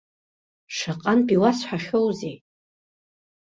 Шаҟантә иуасҳәахьоузеи!